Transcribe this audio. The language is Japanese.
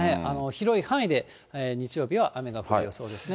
広い範囲で日曜日は雨が降る予想ですね。